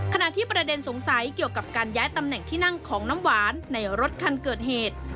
ขณะที่ประเด็นสงสัยเกี่ยวกับการย้ายตำแหน่งที่นั่งของน้ำหวานในรถคันเกิดเหตุ